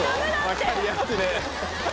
わかりやすいね。